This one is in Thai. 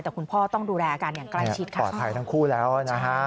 แต่คุณพ่อต้องดูแลอาการอย่างใกล้ชิดค่ะปลอดภัยทั้งคู่แล้วนะฮะ